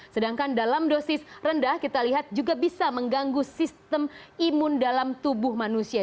sedangkan dalam dosis rendah kita lihat juga bisa mengganggu sistem imun dalam tubuh manusia